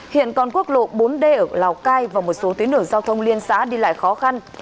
hiện còn quốc lộ bốn d ở lào cai và một số tuyến đường giao thông liên xã đi lại khó khăn